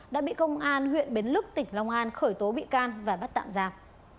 đã bị công an huyện bến lức tỉnh long an khởi tố bị can và bắt tạm giam